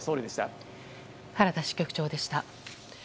原田市局長でした。